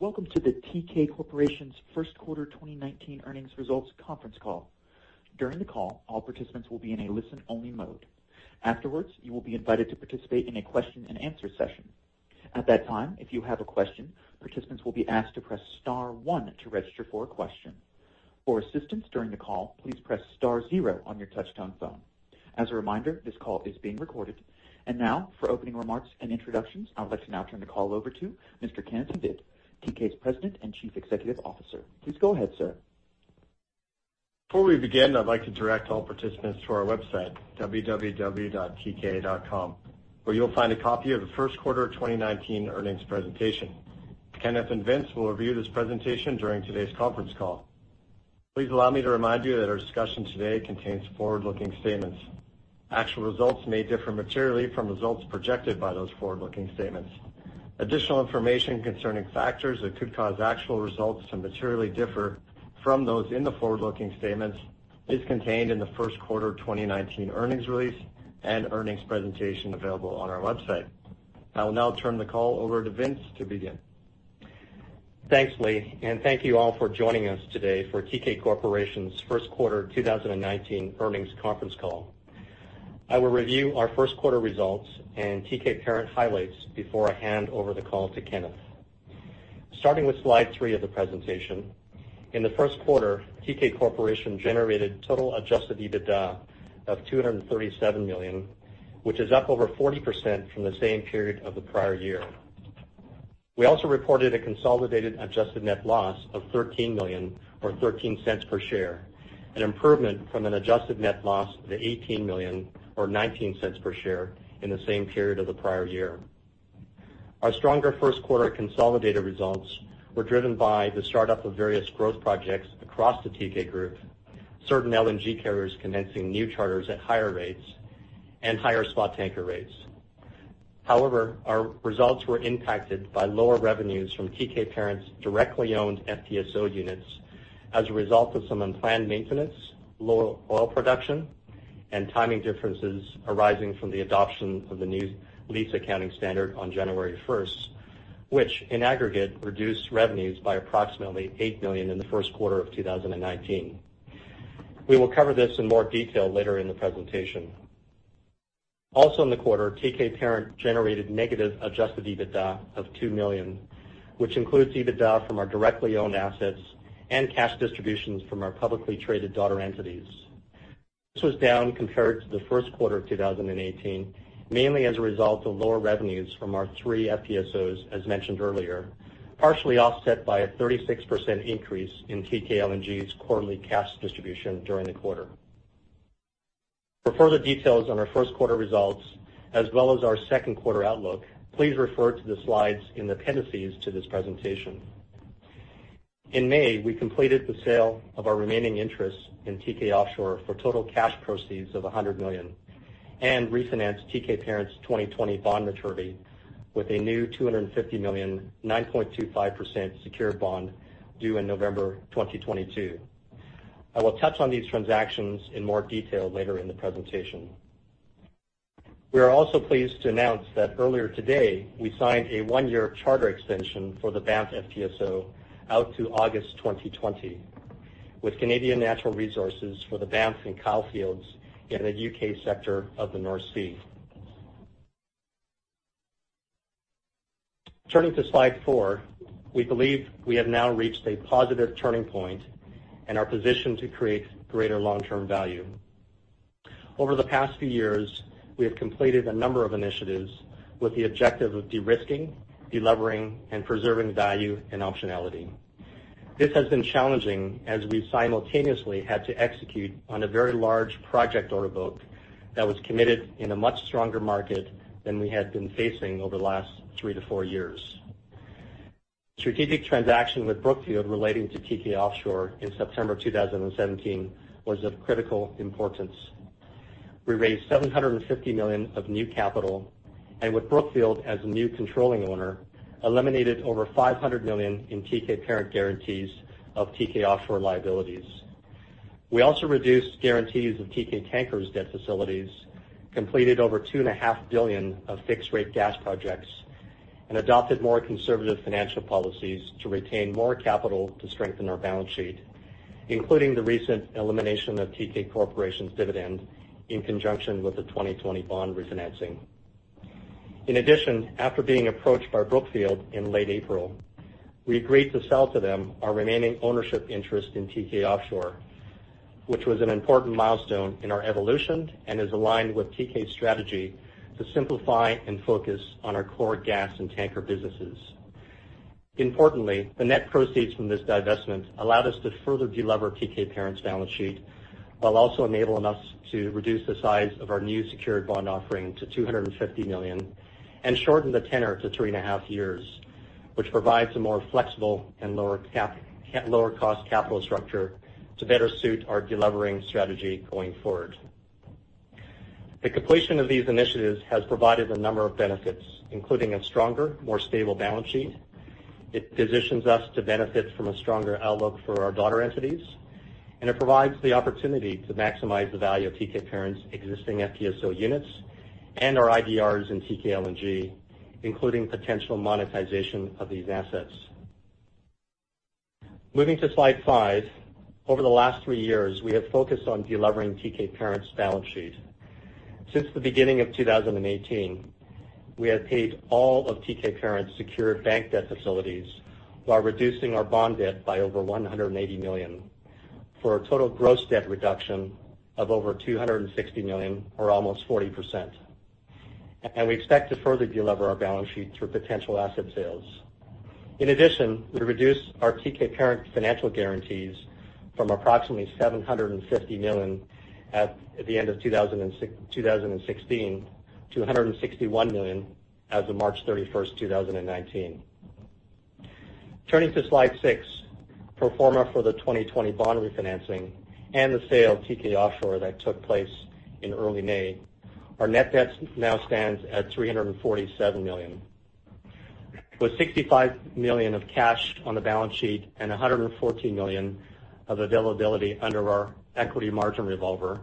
Welcome to the Teekay Corporation's first quarter 2019 earnings results conference call. During the call, all participants will be in a listen-only mode. Afterwards, you will be invited to participate in a question and answer session. At that time, if you have a question, participants will be asked to press star one to register for a question. For assistance during the call, please press star zero on your touch-tone phone. As a reminder, this call is being recorded. Now, for opening remarks and introductions, I'd like to now turn the call over to Mr. Kenneth Hvid, Teekay's President and Chief Executive Officer. Please go ahead, sir. Before we begin, I'd like to direct all participants to our website, www.teekay.com, where you'll find a copy of the first quarter 2019 earnings presentation. Kenneth and Vince will review this presentation during today's conference call. Please allow me to remind you that our discussion today contains forward-looking statements. Actual results may differ materially from results projected by those forward-looking statements. Additional information concerning factors that could cause actual results to materially differ from those in the forward-looking statements is contained in the first quarter 2019 earnings release and earnings presentation available on our website. I will now turn the call over to Vince to begin. Thanks, Lee, and thank you all for joining us today for Teekay Corporation's first quarter 2019 earnings conference call. I will review our first quarter results and Teekay Parent highlights before I hand over the call to Kenneth. Starting with slide three of the presentation. In the first quarter, Teekay Corporation generated total adjusted EBITDA of $237 million, which is up over 40% from the same period of the prior year. We also reported a consolidated adjusted net loss of $13 million or $0.13 per share, an improvement from an adjusted net loss of $18 million or $0.19 per share in the same period of the prior year. Our stronger first quarter consolidated results were driven by the start-up of various growth projects across the Teekay group, certain LNG carriers commencing new charters at higher rates, and higher spot tanker rates. However, our results were impacted by lower revenues from Teekay Parent's directly owned FPSO units as a result of some unplanned maintenance, lower oil production, and timing differences arising from the adoption of the new lease accounting standard on January 1st, which, in aggregate, reduced revenues by approximately $8 million in the first quarter of 2019. We will cover this in more detail later in the presentation. Also in the quarter, Teekay Parent generated negative adjusted EBITDA of $2 million, which includes EBITDA from our directly owned assets and cash distributions from our publicly traded daughter entities. This was down compared to the first quarter of 2018, mainly as a result of lower revenues from our three FPSOs, as mentioned earlier, partially offset by a 36% increase in Teekay LNG's quarterly cash distribution during the quarter. For further details on our first quarter results, as well as our second quarter outlook, please refer to the slides in appendices to this presentation. In May, we completed the sale of our remaining interest in Teekay Offshore for total cash proceeds of $100 million and refinanced Teekay Parent's 2020 bond maturity with a new $250 million, 9.25% secured bond due in November 2022. I will touch on these transactions in more detail later in the presentation. We are also pleased to announce that earlier today, we signed a one-year charter extension for the Banff FPSO out to August 2020 with Canadian Natural Resources for the Banff and Kyle fields in the U.K. sector of the North Sea. Turning to slide four. We believe we have now reached a positive turning point and are positioned to create greater long-term value. Over the past few years, we have completed a number of initiatives with the objective of de-risking, de-levering, and preserving value and optionality. This has been challenging as we simultaneously had to execute on a very large project order book that was committed in a much stronger market than we had been facing over the last three to four years. Strategic transaction with Brookfield relating to Teekay Offshore in September 2017 was of critical importance. We raised $750 million of new capital, and with Brookfield as a new controlling owner, eliminated over $500 million in Teekay Parent guarantees of Teekay Offshore liabilities. We also reduced guarantees of Teekay Tankers debt facilities, completed over $2.5 billion of fixed-rate gas projects, and adopted more conservative financial policies to retain more capital to strengthen our balance sheet, including the recent elimination of Teekay Corporation's dividend in conjunction with the 2020 bond refinancing. After being approached by Brookfield in late April, we agreed to sell to them our remaining ownership interest in Teekay Offshore, which was an important milestone in our evolution and is aligned with Teekay's strategy to simplify and focus on our core gas and tanker businesses. Importantly, the net proceeds from this divestment allowed us to further de-lever Teekay Parent's balance sheet, while also enabling us to reduce the size of our new secured bond offering to $250 million and shorten the tenor to three and a half years, which provides a more flexible and lower cost capital structure to better suit our de-levering strategy going forward. The completion of these initiatives has provided a number of benefits, including a stronger, more stable balance sheet. It positions us to benefit from a stronger outlook for our daughter entities. It provides the opportunity to maximize the value of Teekay Parent's existing FPSO units and our IDRs in Teekay LNG, including potential monetization of these assets. Moving to slide five. Over the last three years, we have focused on de-levering Teekay Parent's balance sheet. Since the beginning of 2018, we have paid all of Teekay Parent's secured bank debt facilities while reducing our bond debt by over $180 million, for a total gross debt reduction of over $260 million or almost 40%. We expect to further de-lever our balance sheet through potential asset sales. In addition, we reduced our Teekay Parent financial guarantees from approximately $750 million at the end of 2016 to $161 million as of March 31st, 2019. Turning to slide six, pro forma for the 2020 bond refinancing and the sale of Teekay Offshore that took place in early May, our net debt now stands at $347 million. With $65 million of cash on the balance sheet and $114 million of availability under our equity margin revolver,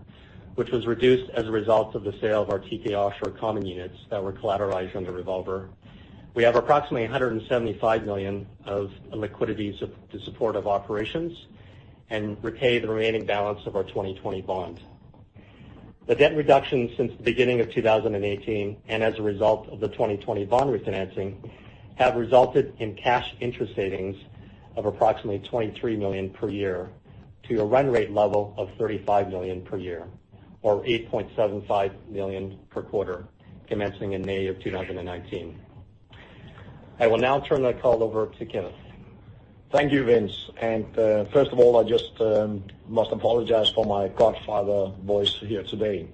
which was reduced as a result of the sale of our Teekay Offshore common units that were collateralized under revolver. We have approximately $175 million of liquidity to support of operations and repay the remaining balance of our 2020 bond. The debt reduction since the beginning of 2018, and as a result of the 2020 bond refinancing, have resulted in cash interest savings of approximately $23 million per year to a run rate level of $35 million per year, or $8.75 million per quarter, commencing in May of 2019. I will now turn the call over to Kenneth. Thank you, Vince. First of all, I just must apologize for my Godfather voice here today.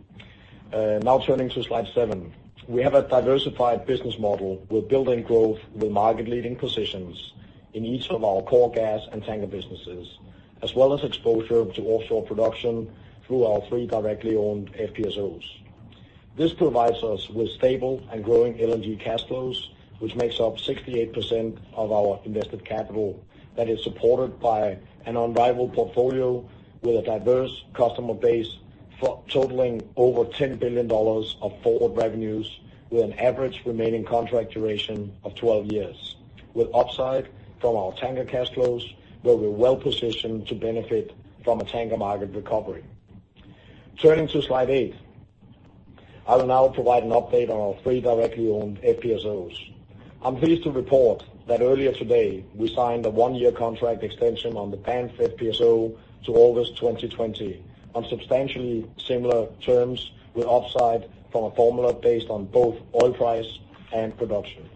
Turning to slide seven. We have a diversified business model. We're building growth with market-leading positions in each of our core gas and tanker businesses, as well as exposure to offshore production through our three directly owned FPSOs. This provides us with stable and growing LNG cash flows, which makes up 68% of our invested capital that is supported by an unrivaled portfolio with a diverse customer base totaling over $10 billion of forward revenues, with an average remaining contract duration of 12 years. With upside from our tanker cash flows, where we're well-positioned to benefit from a tanker market recovery. Turning to slide eight. I will now provide an update on our three directly owned FPSOs. I'm pleased to report that earlier today, we signed a one-year contract extension on the Banff FPSO to August 2020 on substantially similar terms with upside from a formula based on both oil price and production.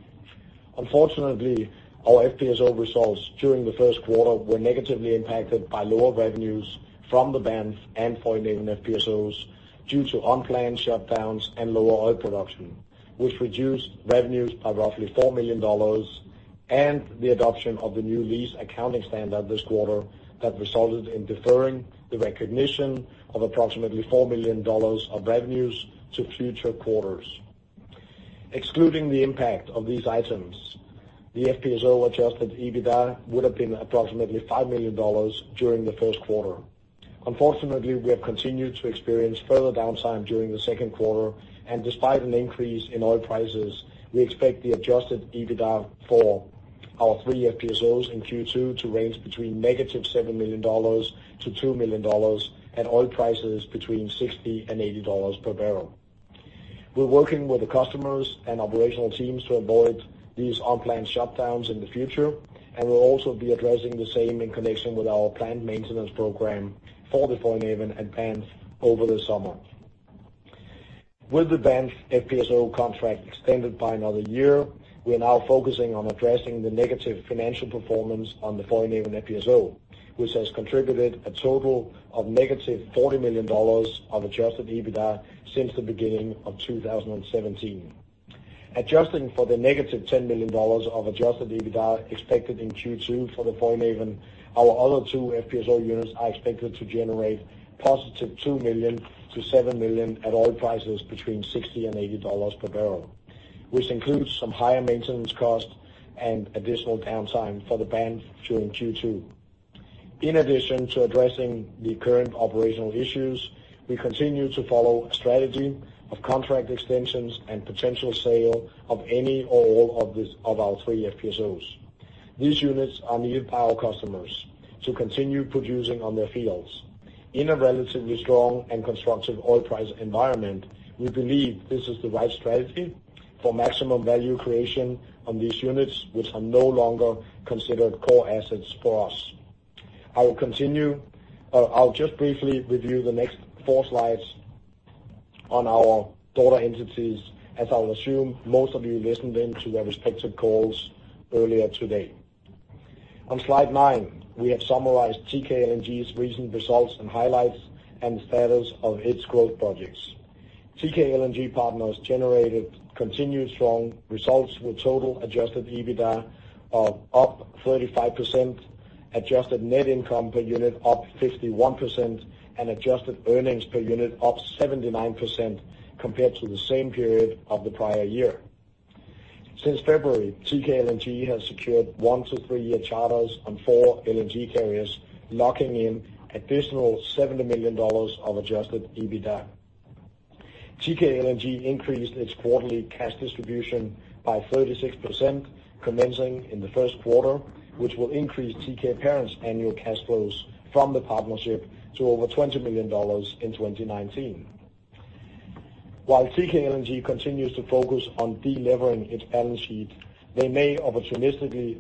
Unfortunately, our FPSO results during the first quarter were negatively impacted by lower revenues from the Banff and Foinaven FPSOs due to unplanned shutdowns and lower oil production, which reduced revenues by roughly $4 million, and the adoption of the new lease accounting standard this quarter that resulted in deferring the recognition of approximately $4 million of revenues to future quarters. Excluding the impact of these items, the FPSO-adjusted EBITDA would have been approximately $5 million during the first quarter. Unfortunately, we have continued to experience further downtime during the second quarter, and despite an increase in oil prices, we expect the adjusted EBITDA for our three FPSOs in Q2 to range between negative $7 million to $2 million at oil prices between $60 and $80 per barrel. We're working with the customers and operational teams to avoid these unplanned shutdowns in the future, and we'll also be addressing the same in connection with our planned maintenance program for the Foinaven and Banff over the summer. With the Banff FPSO contract extended by another year, we are now focusing on addressing the negative financial performance on the Foinaven FPSO, which has contributed a total of negative $40 million of adjusted EBITDA since the beginning of 2017. Adjusting for the negative $10 million of adjusted EBITDA expected in Q2 for the Foinaven, our other two FPSO units are expected to generate positive $2 million to $7 million at oil prices between $60 and $80 per barrel, which includes some higher maintenance costs and additional downtime for the Banff during Q2. In addition to addressing the current operational issues, we continue to follow a strategy of contract extensions and potential sale of any or all of our three FPSOs. These units are needed by our customers to continue producing on their fields. In a relatively strong and constructive oil price environment, we believe this is the right strategy for maximum value creation on these units, which are no longer considered core assets for us. I'll just briefly review the next four slides on our daughter entities, as I will assume most of you listened in to their respective calls earlier today. On slide nine, we have summarized Teekay LNG's recent results and highlights and the status of its growth projects. Teekay LNG Partners generated continued strong results with total adjusted EBITDA of up 35%, adjusted net income per unit up 51%, and adjusted earnings per unit up 79% compared to the same period of the prior year. Since February, Teekay LNG has secured one to three-year charters on four LNG carriers, locking in additional $70 million of adjusted EBITDA. Teekay LNG increased its quarterly cash distribution by 36%, commencing in the first quarter, which will increase Teekay parent's annual cash flows from the partnership to over $20 million in 2019. While Teekay LNG continues to focus on delevering its balance sheet, they may opportunistically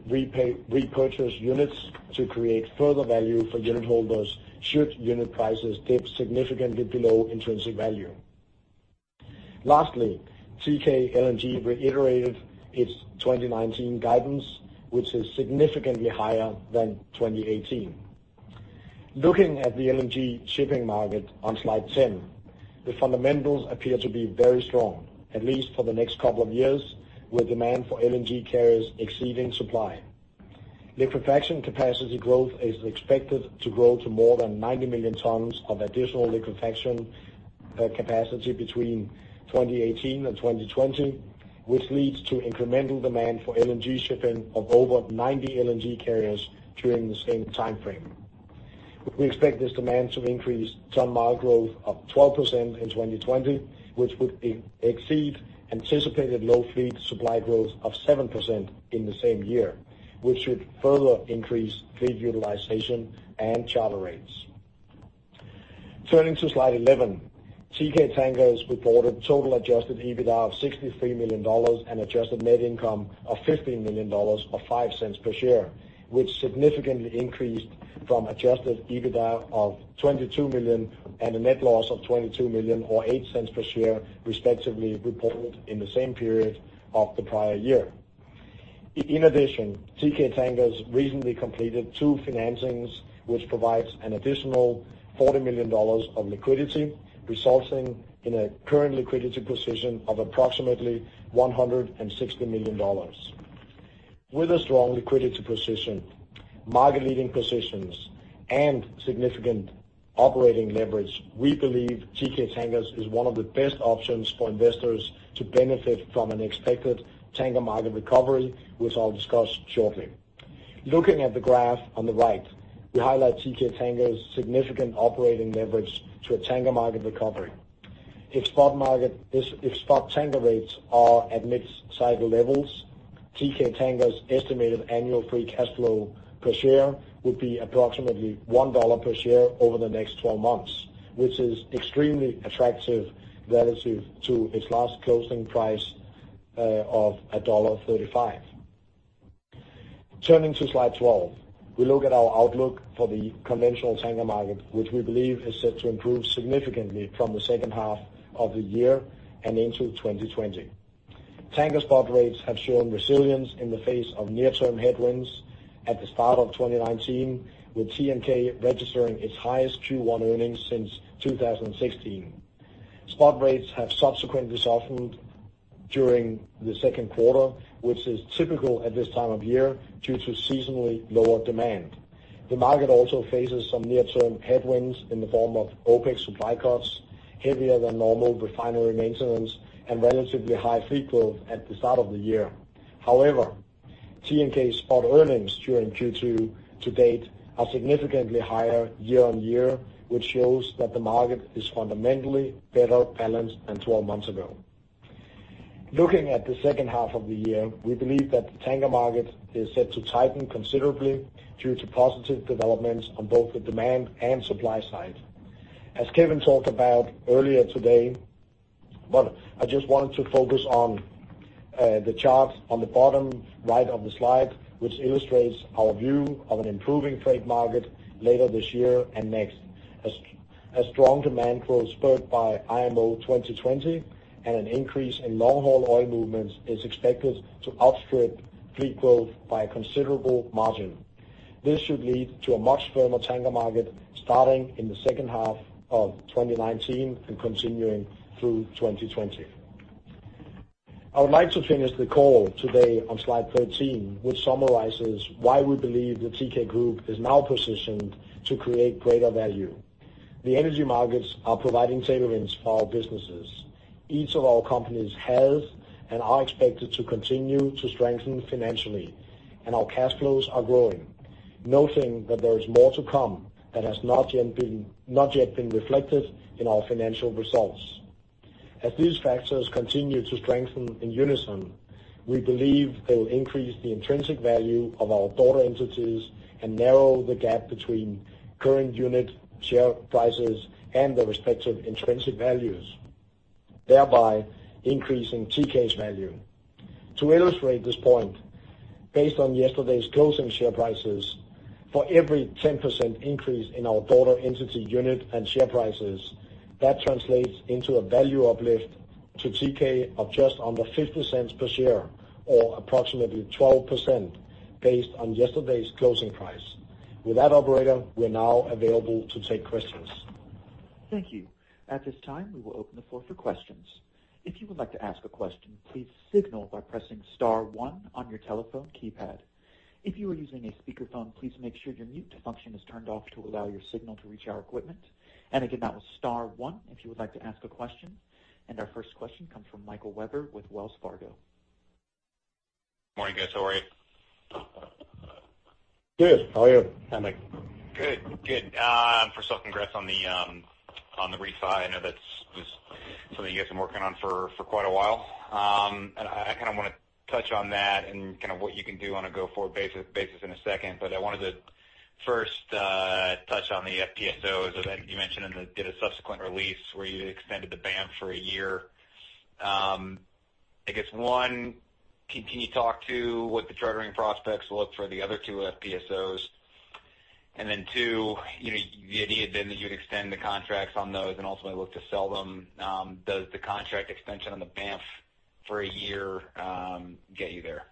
repurchase units to create further value for unit holders should unit prices dip significantly below intrinsic value. Lastly, Teekay LNG reiterated its 2019 guidance, which is significantly higher than 2018. Looking at the LNG shipping market on slide 10, the fundamentals appear to be very strong, at least for the next couple of years, with demand for LNG carriers exceeding supply. Liquefaction capacity growth is expected to grow to more than 90 million tons of additional liquefaction capacity between 2018 and 2020, which leads to incremental demand for LNG shipping of over 90 LNG carriers during the same timeframe. We expect this demand to increase ton-mile growth of 12% in 2020, which would exceed anticipated low fleet supply growth of 7% in the same year, which should further increase fleet utilization and charter rates. Turning to slide 11, Teekay Tankers reported total adjusted EBITDA of $63 million and adjusted net income of $15 million, or $0.05 per share, which significantly increased from adjusted EBITDA of $22 million and a net loss of $22 million or $0.08 per share, respectively, reported in the same period of the prior year. In addition, Teekay Tankers recently completed two financings, which provides an additional $40 million of liquidity, resulting in a current liquidity position of approximately $160 million. With a strong liquidity position, market-leading positions, and significant operating leverage, we believe Teekay Tankers is one of the best options for investors to benefit from an expected tanker market recovery, which I'll discuss shortly. Looking at the graph on the right, we highlight Teekay Tankers' significant operating leverage to a tanker market recovery. If spot tanker rates are at mid-cycle levels, Teekay Tankers' estimated annual free cash flow per share would be approximately $1 per share over the next 12 months, which is extremely attractive relative to its last closing price of $1.35. Turning to slide 12, we look at our outlook for the conventional tanker market, which we believe is set to improve significantly from the second half of the year and into 2020. Tanker spot rates have shown resilience in the face of near-term headwinds at the start of 2019, with TNK registering its highest Q1 earnings since 2016. Spot rates have subsequently softened during the second quarter, which is typical at this time of year, due to seasonally lower demand. The market also faces some near-term headwinds in the form of OPEC supply cuts, heavier than normal refinery maintenance, and relatively high fleet growth at the start of the year. TNK spot earnings during Q2 to date are significantly higher year-over-year, which shows that the market is fundamentally better balanced than 12 months ago. Looking at the second half of the year, we believe that the tanker market is set to tighten considerably due to positive developments on both the demand and supply side. As Kevin talked about earlier today, well, I just wanted to focus on the chart on the bottom right of the slide, which illustrates our view of an improving freight market later this year and next. As strong demand growth spurred by IMO 2020 and an increase in long-haul oil movements is expected to outstrip fleet growth by a considerable margin. This should lead to a much firmer tanker market starting in the second half of 2019 and continuing through 2020. I would like to finish the call today on slide 13, which summarizes why we believe the Teekay group is now positioned to create greater value. The energy markets are providing tailwinds for our businesses. Each of our companies has and are expected to continue to strengthen financially, and our cash flows are growing. Noting that there is more to come that has not yet been reflected in our financial results. As these factors continue to strengthen in unison, we believe they will increase the intrinsic value of our daughter entities and narrow the gap between current unit share prices and their respective intrinsic values, thereby increasing Teekay's value. To illustrate this point, based on yesterday's closing share prices, for every 10% increase in our daughter entity unit and share prices, that translates into a value uplift to Teekay of just under $0.50 per share, or approximately 12% based on yesterday's closing price. With that operator, we are now available to take questions. Thank you. At this time, we will open the floor for questions. If you would like to ask a question, please signal by pressing star one on your telephone keypad. If you are using a speakerphone, please make sure your mute function is turned off to allow your signal to reach our equipment. Again, that was star one if you would like to ask a question. Our first question comes from Michael Webber with Wells Fargo. Morning, guys. How are you? Good. How are you, Mike? Good. First off, congrats on the refi. I know that's something you guys have been working on for quite a while. I want to touch on that and what you can do on a go-forward basis in a second, but I wanted to first touch on the FPSOs. You mentioned in a subsequent release where you extended the Banff for a year. I guess, one, can you talk to what the chartering prospects look for the other two FPSOs? Then two, the idea then that you would extend the contracts on those and ultimately look to sell them. Does the contract extension on the Banff for a year get you there?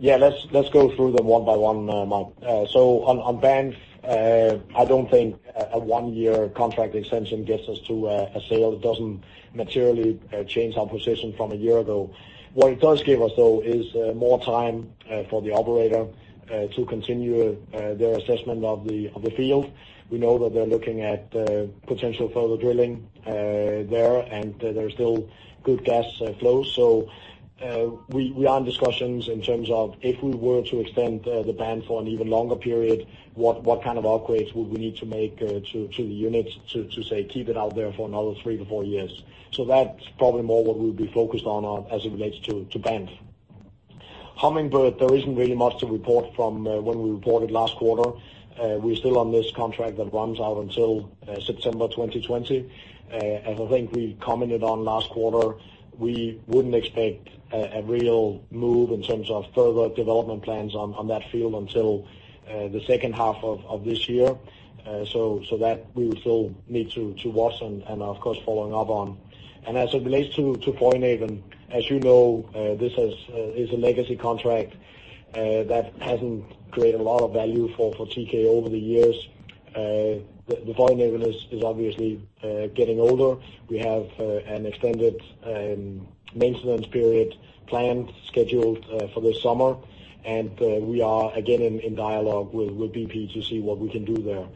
Yeah, let's go through them one by one, Mike. On Banff, I don't think a one-year contract extension gets us to a sale. It doesn't materially change our position from a year ago. What it does give us, though, is more time for the operator to continue their assessment of the field. We know that they're looking at potential further drilling there, and there's still good gas flow. We are in discussions in terms of if we were to extend the Banff for an even longer period, what kind of upgrades would we need to make to the unit to, say, keep it out there for another three to four years. That's probably more what we'll be focused on as it relates to Banff. Hummingbird, there isn't really much to report from when we reported last quarter. We're still on this contract that runs out until September 2020. As I think we commented on last quarter, we wouldn't expect a real move in terms of further development plans on that field until the second half of this year. That we will still need to watch and of course, following up on. As it relates to Foinaven, as you know, this is a legacy contract that hasn't created a lot of value for Teekay over the years. The Foinaven is obviously getting older. We have an extended maintenance period plan scheduled for this summer, and we are again in dialogue with BP to see what we can do there.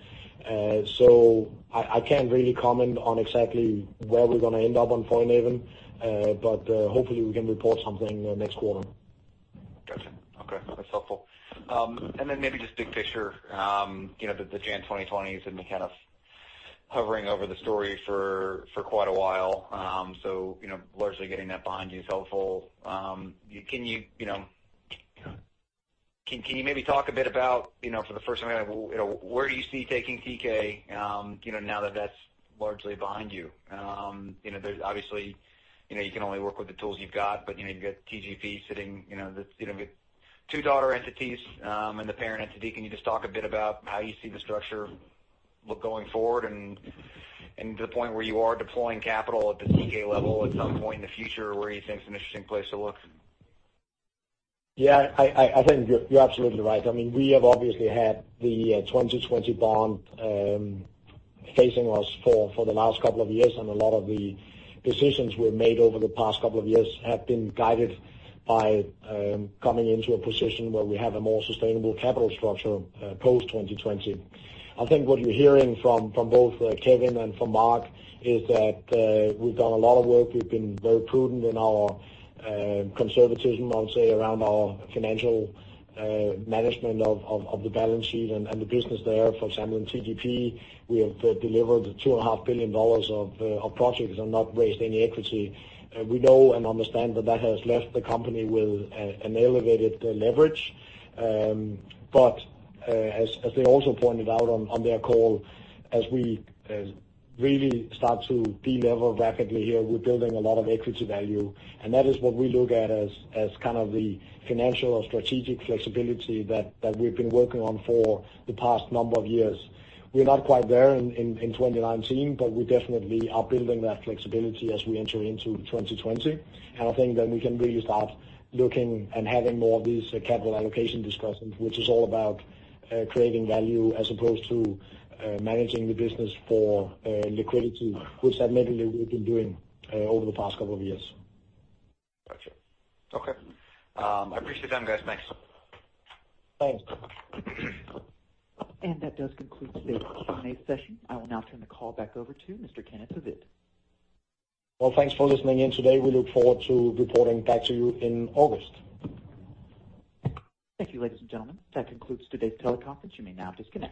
I can't really comment on exactly where we're going to end up on Foinaven, but hopefully, we can report something next quarter. Got you. Okay, that's helpful. Then maybe just big picture, the IMO 2020 has been hovering over the story for quite a while. Largely getting that behind you is helpful. Can you maybe talk a bit about, for the first time, where do you see taking Teekay, now that that's largely behind you? Obviously, you can only work with the tools you've got, but you've got TGP. You've got two daughter entities and the parent entity. Can you just talk a bit about how you see the structure look going forward and to the point where you are deploying capital at the Teekay level at some point in the future, where you think it's an interesting place to look? Yeah, I think you're absolutely right. We have obviously had the 2020 bond facing us for the last couple of years, and a lot of the decisions we've made over the past couple of years have been guided by coming into a position where we have a more sustainable capital structure post-2020. I think what you're hearing from both Kevin and from Mark is that we've done a lot of work. We've been very prudent in our conservatism, I would say, around our financial management of the balance sheet and the business there. For example, in TGP, we have delivered $2.5 billion of projects and not raised any equity. We know and understand that has left the company with an elevated leverage. As they also pointed out on their call, as we really start to delever rapidly here, we're building a lot of equity value, and that is what we look at as the financial or strategic flexibility that we've been working on for the past number of years. We're not quite there in 2019, but we definitely are building that flexibility as we enter into 2020. I think then we can really start looking and having more of these capital allocation discussions, which is all about creating value as opposed to managing the business for liquidity, which admittedly, we've been doing over the past couple of years. Got you. Okay. I appreciate the time, guys. Thanks. Thanks. That does conclude today's Q&A session. I will now turn the call back over to Mr. Kenneth Hvid. Thanks for listening in today. We look forward to reporting back to you in August. Thank you, ladies and gentlemen. That concludes today's teleconference. You may now disconnect.